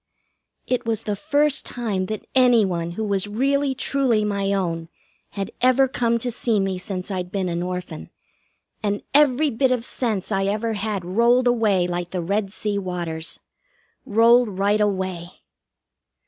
It was the first time that any one who was really truly my own had ever come to see me since I'd been an Orphan, and every bit of sense I ever had rolled away like the Red Sea waters. Rolled right away.